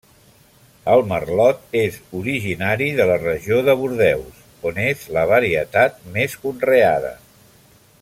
El merlot és originari de la regió de Bordeus, on és la varietat més conreada.